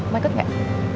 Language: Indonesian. mau ikut gak